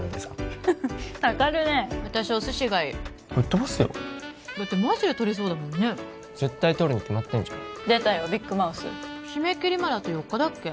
フフッたかるね私お寿司がいいぶっとばすよだってマジでとれそうだもんね絶対とるに決まってんじゃん出たよビッグマウス締め切りまであと４日だっけ？